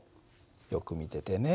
よく見ててね。